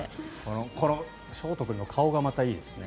この勝叶君の顔がまたいいですね。